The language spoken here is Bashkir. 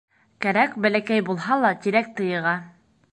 Кәрәк бәләкәй булһа ла тирәкте йыға.